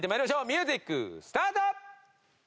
ミュージックスタート！